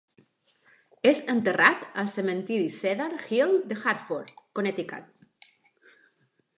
És enterrat al cementiri Cedar Hill de Hartford, Connecticut.